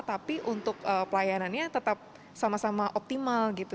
tapi untuk pelayanannya tetap sama sama optimal gitu